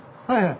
はい。